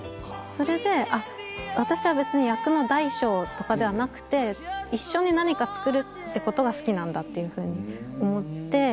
それで私は別に役の大小とかではなくて一緒に何かつくるってことが好きなんだっていうふうに思って。